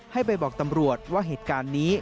ให้ไปบอกตำรวจว่าเหตุการณ์นี้